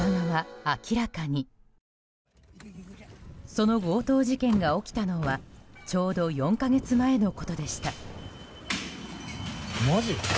その強盗事件が起きたのはちょうど４か月前のことでした。